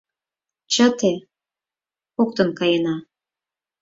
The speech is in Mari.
«Чыте, коктын каена